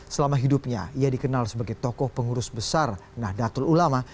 selama hidupnya ia dikenal sebagai tokoh pengurus besar nahdlatul ulama